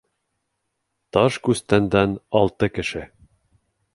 Ташкүстәндән алты кеше.